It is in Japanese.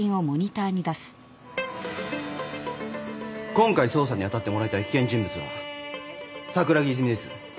今回捜査に当たってもらいたい危険人物は桜木泉です。